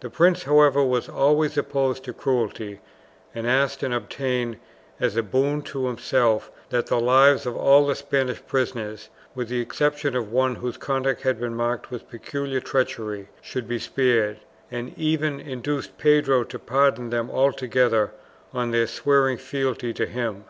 The prince, however, was always opposed to cruelty, and asked and obtained as a boon to himself that the lives of all the Spanish prisoners, with the exception of one whose conduct had been marked with peculiar treachery, should be spared, and even induced Pedro to pardon them altogether on their swearing fealty to him.